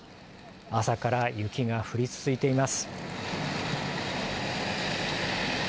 朝から雪が降り続いています。